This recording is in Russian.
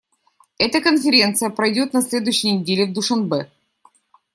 Эта Конференция пройдет на следующей неделе в Душанбе.